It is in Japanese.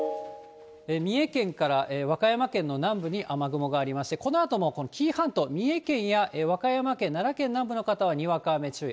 三重県から和歌山県の南部に雨雲がありまして、このあともこの紀伊半島、三重県や和歌山県、奈良県など方はにわか雨注意。